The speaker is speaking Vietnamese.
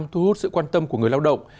thu hút sự quan tâm của người lao động